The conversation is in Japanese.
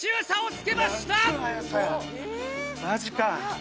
マジか。